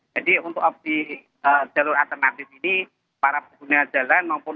jadi untuk jalur alternatif ini para pekunia jalan maupun